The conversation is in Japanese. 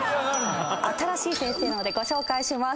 新しい先生なのでご紹介します。